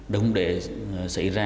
đồng để xảy ra